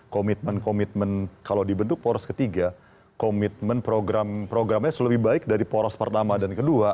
komitmen komitmen kalau dibentuk poros ketiga komitmen programnya lebih baik dari poros pertama dan kedua